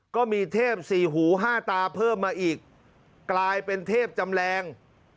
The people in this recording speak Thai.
ก็มีเทพสี่หูห้าตาเพิ่มมาอีกกลายเป็นเทพจำแรง